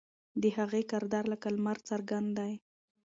د هغې کردار لکه لمر څرګند دی.